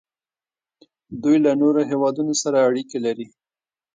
دوی له نورو هیوادونو سره اړیکې لري.